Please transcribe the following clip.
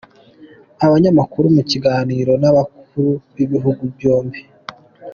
Abanyamakuru mu kiganiro n’abakuru b’ibihugu byombi